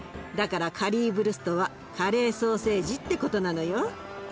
だからカリーヴルストはカレーソーセージってことなのよ。